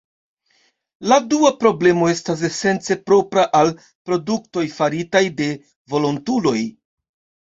La dua problemo estas esence propra al produktoj faritaj de volontuloj.